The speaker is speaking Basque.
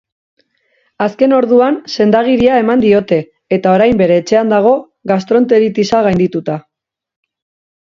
Azken orduan sendagiria eman diote eta orain bere etxean dago gastroenteritisa gaindituta.